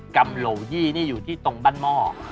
ำโหลยี่นี่อยู่ที่ตรงบ้านหม้อ